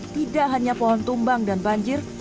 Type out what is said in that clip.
tidak hanya pohon tumbang dan banjir